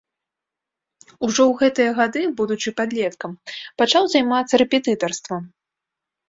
Ужо ў гэтыя гады, будучы падлеткам, пачаў займацца рэпетытарствам.